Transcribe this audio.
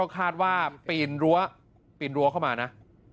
คาดว่าปีนรั้วเข้ามานะ